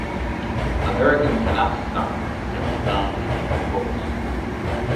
American Canasta can be found in few books.